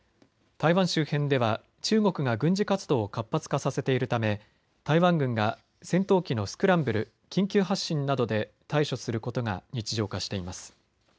台湾周辺では中国が軍事活動を活発化させているため台湾軍が戦闘機のスクランブル・緊急発進などで対処することが日常化しています。